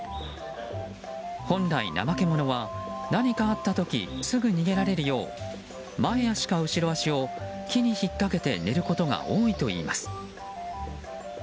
本来、ナマケモノは何かあった時すぐ逃げられるよう前足か後ろ足を木にひかっけて寝ることが多いといいます。